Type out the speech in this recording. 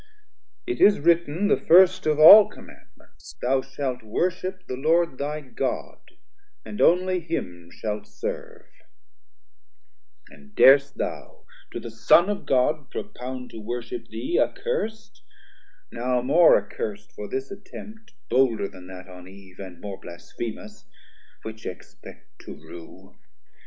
It is written The first of all Commandments, Thou shalt worship The Lord thy God, and only him shalt serve; And dar'st thou to the Son of God propound To worship thee accurst, now more accurst For this attempt bolder then that on Eve, 180 And more blasphemous? which expect to rue.